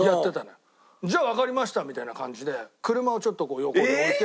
「じゃあわかりました」みたいな感じで車をちょっと横に置いて。